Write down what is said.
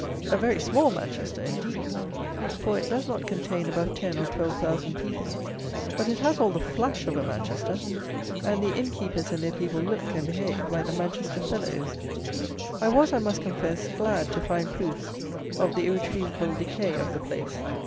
A very small Manchester, indeed; for it does not contain above ten or twelve thousand people, but it has all the flash of a Manchester, and the innkeepers and their people look and behave like the Manchester fellows. I was, I must confess, glad to find proofs of the irretrievable decay of the place.